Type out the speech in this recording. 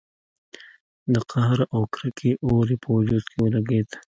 د قهر او کرکې اور يې په وجود کې لګېده.